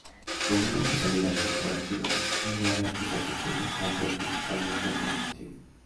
Como una especialidad corporativa y un área de especialización, el campo es principalmente normativo.